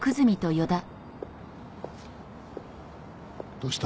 どうした？